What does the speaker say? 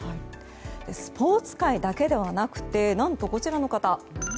スポーツ界だけではなく何と、こちらの方